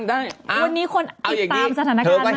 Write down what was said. วันนี้คนติดตามสถานการณ์มา